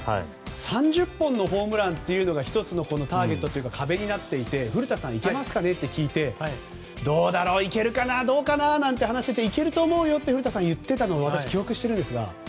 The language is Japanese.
３０本のホームランというのが１つのターゲットというか壁になっていて、古田さんにいけますかね？って聞いてどうだろういけるかなどうかななんて話してていけると思うよって古田さんが言っていたのを私、記憶しているんですが。